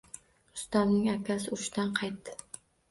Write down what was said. Rustamning akasi urushdan qaytdi